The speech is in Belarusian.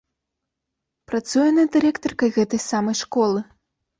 Працуе яна дырэктаркай гэтай самай школы.